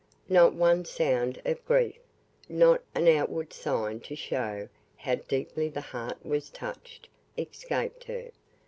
Not one sound of grief not an outward sign to show how deeply the heart was touched escaped her.